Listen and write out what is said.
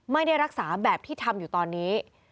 ไม่ได้รักษาแบบที่ทำอยู่ตอนนี้